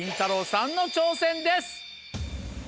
さんの挑戦です！